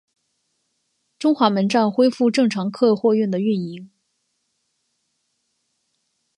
中华门站恢复正常客货运的运营。